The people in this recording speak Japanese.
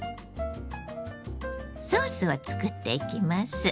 ソースを作っていきます。